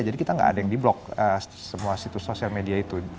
jadi kita gak ada yang di blok semua situs social media itu